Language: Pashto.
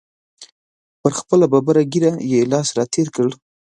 پر خپله ببره ږیره یې لاس را تېر کړ.